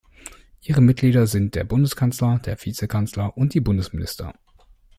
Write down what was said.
Ihre Mitglieder sind der Bundeskanzler, der Vizekanzler und die Bundesminister.